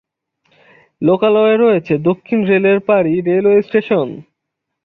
লোকালয়ে রয়েছে দক্ষিণ রেলের পাড়ি রেলওয়ে স্টেশন।